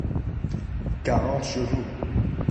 quarante chevaux.